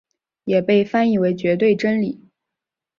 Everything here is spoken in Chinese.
也被翻译为绝对真理。